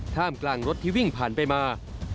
ท่ามกลางรถที่วิ่งผ่านไปมา